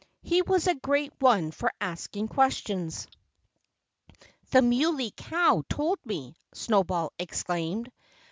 He was a great one for asking questions. "The Muley Cow told me," Snowball explained.